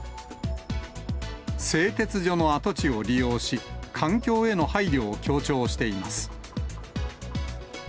製鉄所の跡地を利用し、環境への配慮を強調しています。